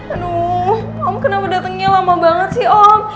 aduh om kenapa datangnya lama banget sih om